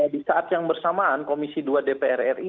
di saat yang bersamaan komisi dua dpr ri